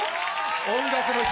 「音楽の日」